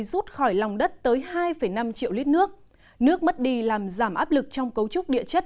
rút khỏi lòng đất tới hai năm triệu lít nước nước mất đi làm giảm áp lực trong cấu trúc địa chất